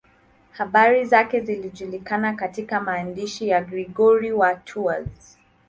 Habari zake zinajulikana katika maandishi ya Gregori wa Tours.